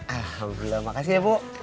alhamdulillah makasih ya bu